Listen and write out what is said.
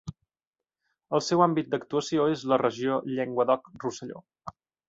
El seu àmbit d'actuació és la regió Llenguadoc-Rosselló.